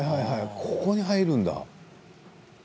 ここに入るんだ。